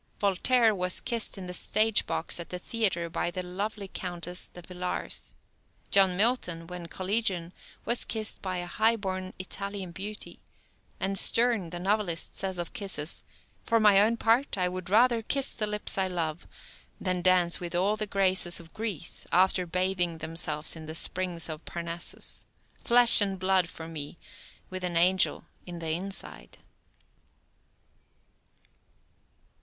Voltaire was kissed in the stage box at the theatre by the lovely Countess de Villars. John Milton, when a collegian, was kissed by a high born Italian beauty; and Sterne, the novelist, says of kisses: "For my own part, I would rather kiss the lips I love than dance with all the graces of Greece, after bathing themselves in the springs of Parnassus. Flesh and blood for me, with an angel in the inside."